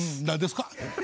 何ですか？